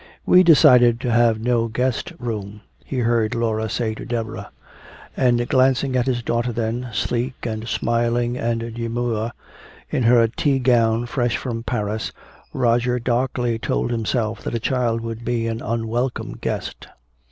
"We decided to have no guest room," he heard Laura say to Deborah. And glancing at his daughter then, sleek and smiling and demure, in her tea gown fresh from Paris, Roger darkly told himself that a child would be an unwelcome guest.